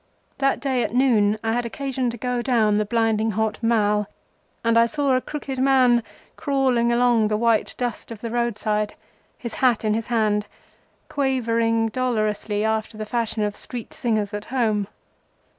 That day at noon I had occasion to go down the blinding hot Mall, and I saw a crooked man crawling along the white dust of the roadside, his hat in his hand, quavering dolorously after the fashion of street singers at Home.